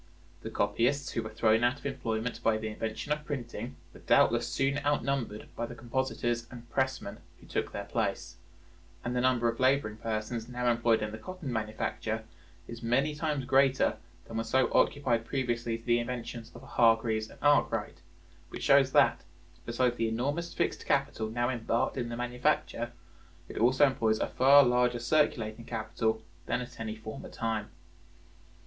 The copyists who were thrown out of employment by the invention of printing were doubtless soon outnumbered by the compositors and pressmen who took their place; and the number of laboring persons now employed in the cotton manufacture is many times greater than were so occupied previously to the inventions of Hargreaves and Arkwright, which shows that, besides the enormous fixed capital now embarked in the manufacture, it also employs a far larger circulating capital than at any former time.